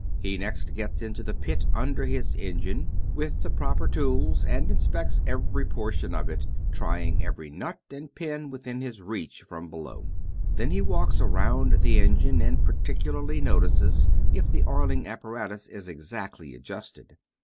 He next gets into the pit under his engine, with the proper tools, and inspects every portion of it, trying every nut and pin within his reach from below. Then he walks around the engine, and particularly notices if the oiling apparatus is exactly adjusted.